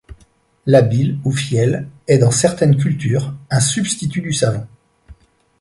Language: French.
La bile, ou fiel, est, dans certaines cultures, un substitut du savon.